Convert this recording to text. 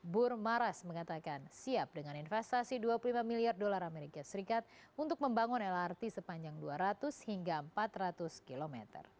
bur maras mengatakan siap dengan investasi dua puluh lima miliar dolar amerika serikat untuk membangun lrt sepanjang dua ratus hingga empat ratus km